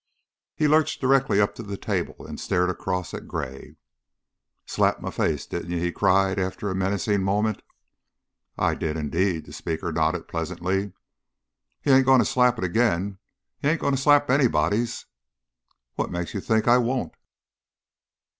He lurched directly up to the table and stared across at Gray. "Slapped my face, didn't you?" he cried, after a menacing moment. "I did, indeed," the speaker nodded, pleasantly. "You ain't going to slap it again. You ain't going to slap anybody's " "What makes you think I won't?"